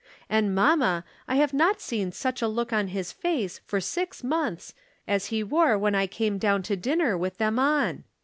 And, mamma, I have not seen such a look on his face for six months as he wore when I came down to dinner with them on.